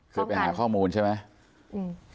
คือไปหาข้อมูลใช่ไหมอืม